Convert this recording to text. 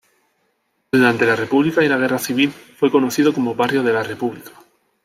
Durante la República y la Guerra Civil fue conocido como Barrio de la República.